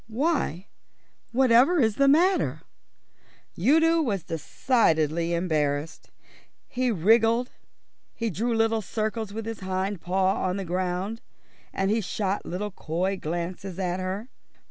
"Why, whatever is the matter?" Udo was decidedly embarrassed. He wriggled. He drew little circles with his hind paw on the ground and he shot little coy glances at her.